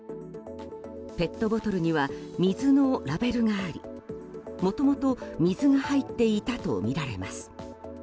ペットボトルには水のラベルがありもともと水が入っていたとみられます。